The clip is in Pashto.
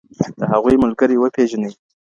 د هغوی ملګري وپېژنئ.